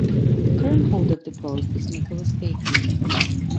The current holder of the post is Nicholas Bacon.